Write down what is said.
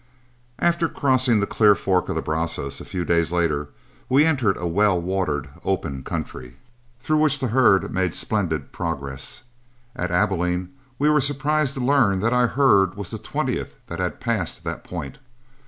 After crossing the Clear Fork of the Brazos a few days later, we entered a well watered, open country, through which the herd made splendid progress. At Abilene, we were surprised to learn that our herd was the twentieth that had passed that point.